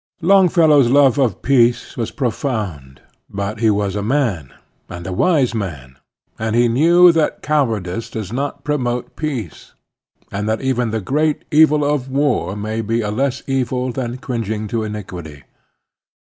Longfellow's love of peace was profound ; but he was a man, and a wise man, and he knew that cowardice does not promote peace, and that even the great evil of war may be a less evil than cringing to iniquity.